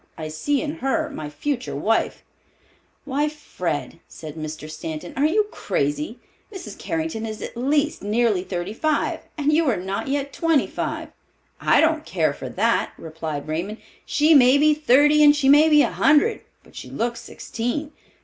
I see in her my future wife." "Why, Fred," said Mr. Stanton, "are you crazy? Mrs. Carrington is at least nearly thirty five, and you are not yet twenty five." "I don't care for that," replied Raymond. "She may be thirty, and she may be a hundred, but she looks sixteen.